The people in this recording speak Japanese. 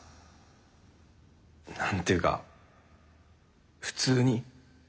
何ていうか普通に。